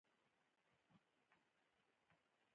ایا ستاسو سپوږمۍ به روښانه نه وي؟